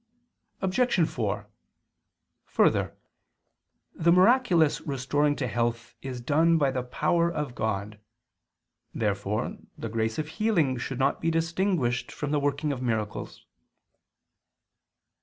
Obj. 4: Further, the miraculous restoring to health is done by the power of God. Therefore the grace of healing should not be distinguished from the working of miracles.